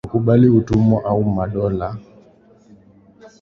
kukubali utumwa au la madola ya kusinimashariki yalitangaza